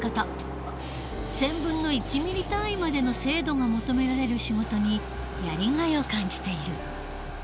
１０００分の１ミリ単位までの精度が求められる仕事にやりがいを感じている。